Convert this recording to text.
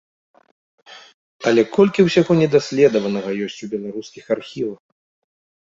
Але колькі ўсяго недаследаванага ёсць у беларускіх архівах!